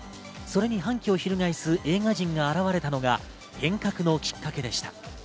それに反旗を翻す映画人が現れたのが変革のきっかけでした。